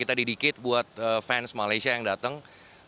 jadi setiap jam jalan terus